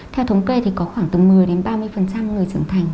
theo thống kê thì có khoảng từ một mươi đến ba mươi người trưởng thành